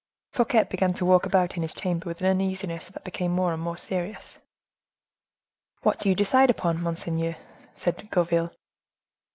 Fouquet began to walk about in his chamber with an uneasiness that became more and more serious. "What do you decide upon, monseigneur?" said Gourville.